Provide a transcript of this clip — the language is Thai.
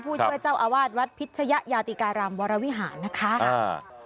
ผู้ช่วยเจ้าอาวาสวัดพิชยะยาติการามวรวิหารนะคะอ่า